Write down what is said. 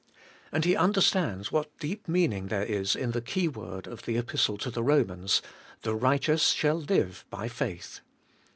And he understands what deep meaning there is in the key word of the Epistle to the Eomans: 'The righteous shall live by faith.'